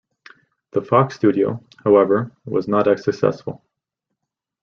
The Fox studio, however, was not as successful.